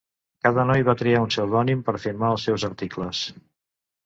Cada noi va triar un pseudònim per firmar els seus articles.